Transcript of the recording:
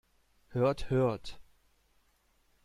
Hört, hört!